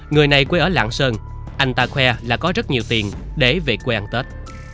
người này quê ở lạng sơn anh ta khoe là có rất nhiều tiền để về quê ăn tết